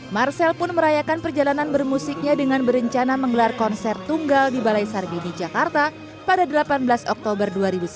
marcel pun merayakan perjalanan bermusiknya dengan berencana menggelar konser tunggal di balai sarbini jakarta pada delapan belas oktober dua ribu sembilan belas